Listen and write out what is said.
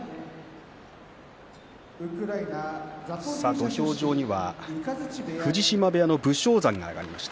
土俵には藤島部屋の武将山が上がりました。